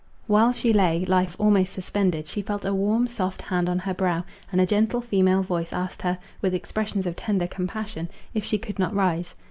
While she lay, life almost suspended, she felt a warm, soft hand on her brow, and a gentle female voice asked her, with expressions of tender compassion, if she could not rise?